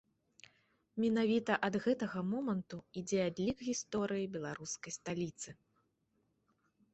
Менавіта ад гэтага моманту ідзе адлік гісторыі беларускай сталіцы.